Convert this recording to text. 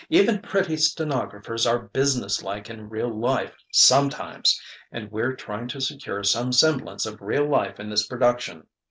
Even pretty stenographers are business like in real life sometimes and we're trying to secure some semblance of real life in this production.